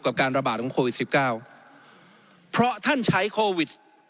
กับการระบาดของโควิด๑๙เพราะท่านใช้โควิด